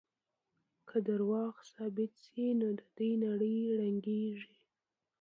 که دروغ ثابت شي نو د دوی نړۍ ړنګېږي.